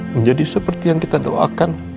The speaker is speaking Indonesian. menjadi seperti yang kita doakan